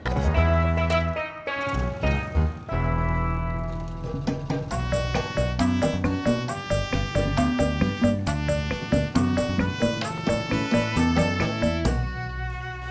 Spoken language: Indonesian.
terima kasih bang ojak